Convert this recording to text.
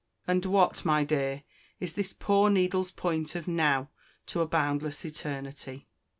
—And what, my dear, is this poor needle's point of NOW to a boundless eternity?